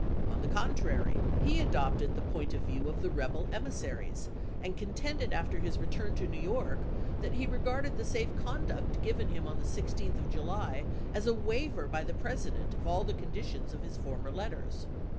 On the contrary, he adopted the point of view of the rebel emissaries, and contended after his return to New York that he regarded the safe conduct given him on the 16th of July as a waiver iss*. by the President of all the conditions of his former letters.